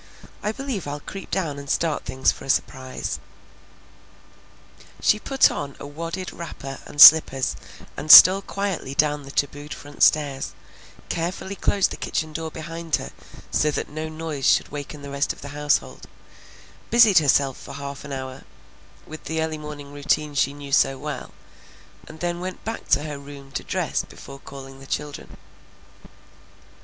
I believe I'll creep down and start things for a surprise." She put on a wadded wrapper and slippers and stole quietly down the tabooed front stairs, carefully closed the kitchen door behind her so that no noise should waken the rest of the household, busied herself for a half hour with the early morning routine she knew so well, and then went back to her room to dress before calling the children.